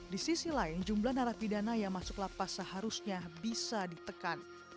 di sisi lain jumlah narapidana yang masuk lapas seharusnya bisa ditekan